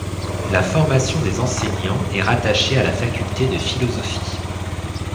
La formation des enseignants est rattachée à la faculté de philosophie.